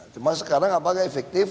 cuma sekarang apakah efektif